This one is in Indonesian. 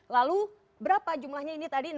lalu berapa jumlahnya ini tadi